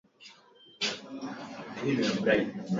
Damu ya Yesu ya thamani.